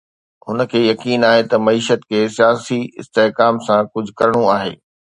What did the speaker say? هن کي يقين آهي ته معيشت کي سياسي استحڪام سان ڪجهه ڪرڻو آهي.